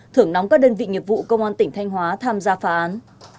thưởng nóng các đơn vị nghiệp vụ công an tỉnh thanh hóa tham gia phá án